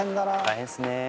「大変ですね」